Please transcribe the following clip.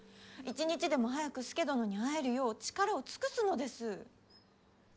一日でも早く佐殿に会えるよう力を尽くすのです。